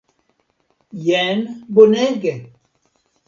Jen, bonege.